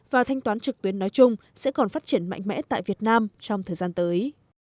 và thanh toán trực tuyến nói chung sẽ còn phát triển mạnh mẽ tại việt nam trong thời gian tới